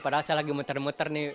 padahal saya lagi muter muter nih